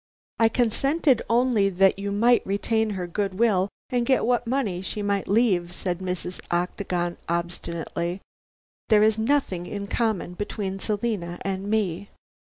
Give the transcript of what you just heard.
"I consented only that you might retain her goodwill and get what money she might leave," said Mrs. Octagon obstinately. "There is nothing in common between Selina and me."